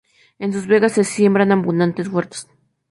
En sus vegas se siembran abundantes huertas.